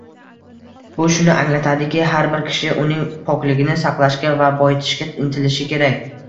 Bu shuni anglatadiki, har bir kishi uning pokligini saqlashga va boyitishga intilishi kerak